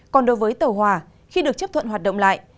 còn đối với tàu hòa khi được chấp thuận hoạt động lại